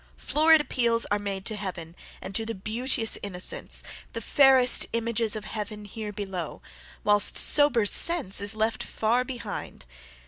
Florid appeals are made to heaven, and to the BEAUTEOUS INNOCENTS, the fairest images of heaven here below, whilst sober sense is left far behind.